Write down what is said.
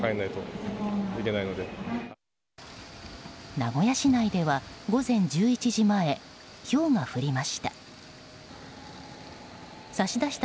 名古屋市内では午前１１時前ひょうが降りました。